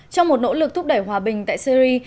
trong một nỗ lực thúc đẩy hòa bình tại syri